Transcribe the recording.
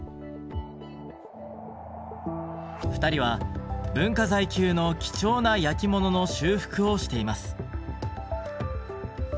２人は文化財級の貴重な焼き物の修復をしています。